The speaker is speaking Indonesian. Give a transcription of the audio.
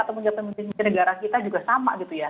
ataupun negara negara kita juga sama gitu ya